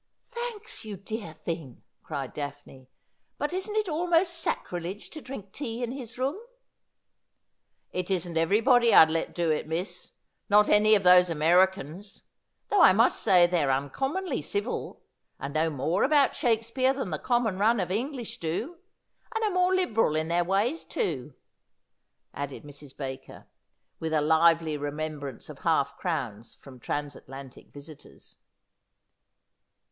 ' Thanks, you dear thing,' cried Daphne ;' but isn't it almost sacrilege to drink tea in his room ?'' It isn't everybody I'd let do it, miss ; not any of those Americans ; though I must say they're uncommonly civil, and know more about Shakespeare than the common run of English do, and are more liberal in their ways too,' added Mrs. Baker, with a lively remembrance of half crowns from Transatlantic visitors.